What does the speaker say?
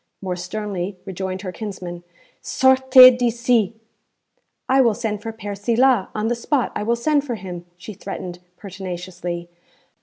More sternly rejoined her kinsman, 'Sortez d'ici!' 'I will send for Père Silas; on the spot I will send for him,' she threatened pertinaciously.